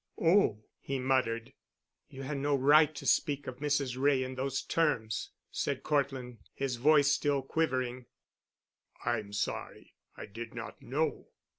"Oh!" he muttered. "You had no right to speak of Mrs. Wray in those terms," said Cortland, his voice still quivering. "I'm sorry. I did not know."